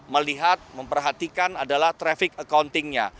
melihat memperhatikan adalah traffic accountingnya